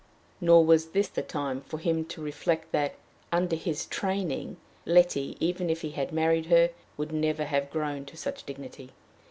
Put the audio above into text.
Nor was this the time for him to reflect that, under his training, Letty, even if he had married her, would never have grown to such dignity.